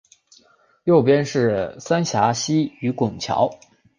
右边是三峡溪与拱桥